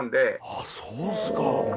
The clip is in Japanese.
あっそうですか。